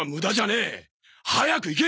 早く行け！